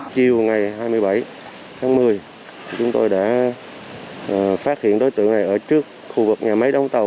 chiều ngày hai mươi bảy tháng một mươi chúng tôi đã phát hiện đối tượng này ở trước khu vực nhà máy đóng tàu